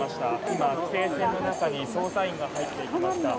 今、規制線の中に捜査員が入っていきました。